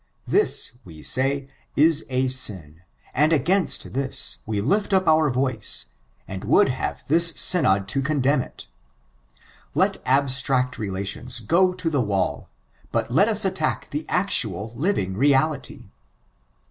This, we say, is a sin, and against this, we lift up our voice, and would have this Synod to condenm it. Let abstract relations go to the wall; but let us attack the actual, living reality."